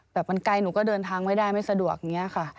มันไกลหนูก็เดินทางไม่ได้ไม่สะดวกอย่างนี้ค่ะ